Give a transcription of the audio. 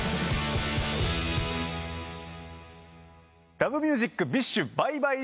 『Ｌｏｖｅｍｕｓｉｃ』ＢｉＳＨＢｙｅ−ＢｙｅＳＰ！